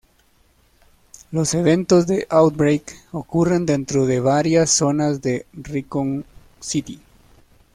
Los eventos de "Outbreak" ocurren dentro de varias zonas de Raccoon City.